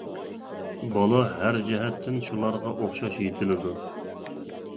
بالا ھەر جەھەتتىن شۇلارغا ئوخشاش يېتىلىدۇ.